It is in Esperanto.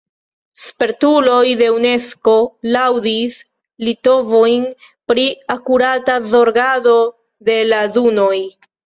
Spertuloj de Unesko laŭdis litovojn pri akurata zorgado de la dunoj.